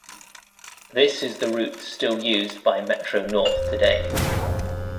This is the route still used by Metro-North today.